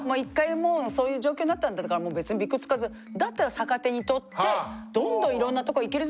もうそういう状況になったんだからもう別にビクつかずだったら逆手にとってどんどんいろんなとこ行けるぞ！